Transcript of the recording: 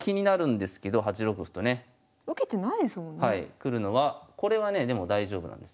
来るのはこれはねでも大丈夫なんです。